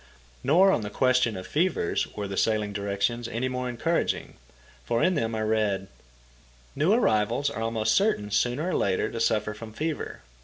Nor on the question of fever were the "Sailing Directions" any more encouraging, for in them I read: "New arrivals are almost certain sooner or later to suffer from fever.